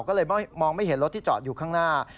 ก็เลยมองไม่เห็นรถที่จอดอยู่ข้างหน้า